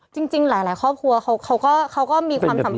จริงหลายครอบครัวเขาก็มีความสัมพันธ